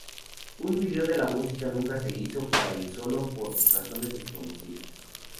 Un vídeo de la música nunca se hizo para el solo por razones desconocidas.